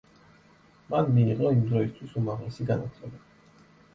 მან მიიღო იმდროისთვის უმაღლესი განათლება.